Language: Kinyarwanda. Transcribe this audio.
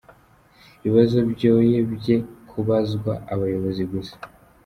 Ibibazo byoye bye kubazwa abayobozi gusa.